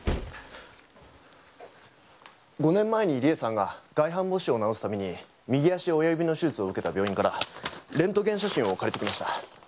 ５年前に理恵さんが外反母趾を治すために右足親指の手術を受けた病院からレントゲン写真を借りてきました。